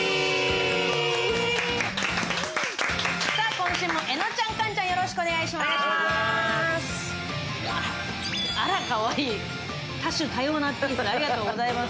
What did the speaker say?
今週もえのちゃん、菅ちゃんよろしくお願いします。